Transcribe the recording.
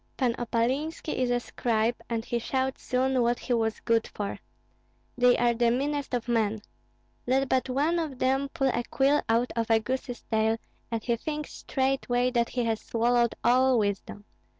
Pan Opalinski is a scribe, and he showed soon what he was good for. They are the meanest of men! Let but one of them pull a quill out of a goose's tail and he thinks straightway that he has swallowed all wisdom.